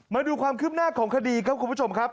มาดูความคืบหน้าของคดีครับคุณผู้ชมครับ